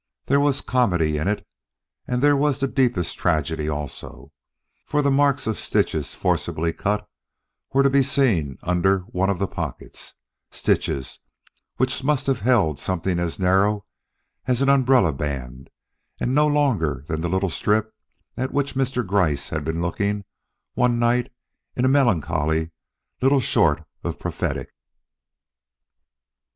There was comedy in it, and there was the deepest tragedy also; for the marks of stitches forcibly cut were to be seen under one of the pockets stitches which must have held something as narrow as an umbrella band and no longer than the little strip at which Mr. Gryce had been looking one night in a melancholy little short of prophetic.